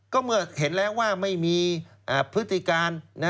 ก็เมื่อเห็นแล้วว่าไม่มีพฤติการ